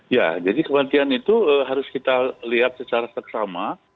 ya jadi kematian itu harus kita lihat secara seksama